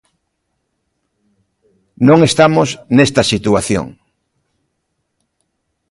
Non estamos nesta situación.